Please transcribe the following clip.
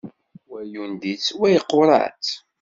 Wa yundi-tt, wa iquṛeɛ-tt.